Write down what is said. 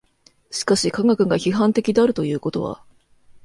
しかし科学が批判的であるということは